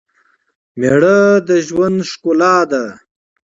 مېړه دژوند ښکلا ده